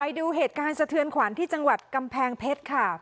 ไปดูเหตุการณ์สะเทือนขวัญที่จังหวัดกำแพงเพชรค่ะ